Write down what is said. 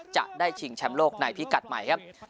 จะได้ชิงแชมป์โลกในพิกัดใหม่ครับ